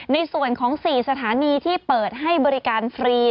ในส่วนของ๔สถานีที่เปิดให้บริการฟรี